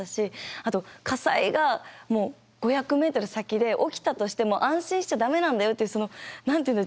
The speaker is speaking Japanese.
あと火災が５００ｍ先で起きたとしても安心しちゃ駄目なんだよっていうその何て言うんだろう